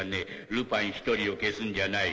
ルパン１人を消すんじゃない。